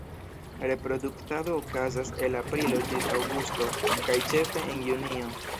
Reproduktado okazas el aprilo ĝis aŭgusto, kaj ĉefe en junio.